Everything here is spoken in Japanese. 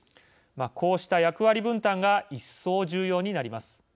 こうした役割分担が一層、重要になります。